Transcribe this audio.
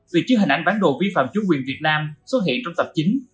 vì chiếu hình ảnh ván đồ vi phạm chủ quyền việt nam xuất hiện trong tập chín